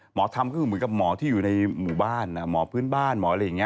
หมอทำก็คือเหมือนกับหมอที่อยู่ในหมู่บ้านหมอพื้นบ้านหมออะไรอย่างนี้